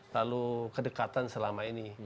lalu kedekatan selama ini